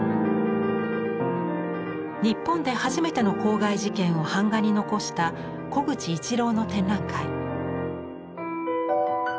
日本で初めての公害事件を版画に残した小口一郎の展覧会。